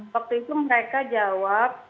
waktu itu mereka jawab